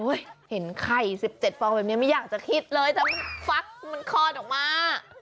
เห็นไข่๑๗ฟองแบบนี้ไม่อยากจะคิดเลยแต่มันฟักมันคลอดออกมา